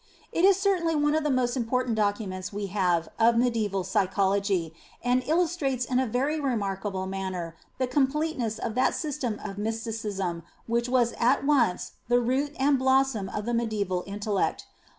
It is certainly one of the most important documents we have of medieval psychology, and illus trates in a very remarkable manner the completeness of that system of Mysticism which was at once the root and the blossom of the medieval intellect.